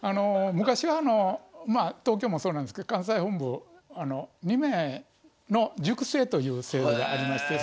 昔はあのまあ東京もそうなんですけど関西本部２名の塾生という制度がありまして。